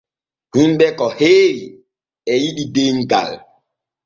Hinɓe ko heewi e yiɗi demgal.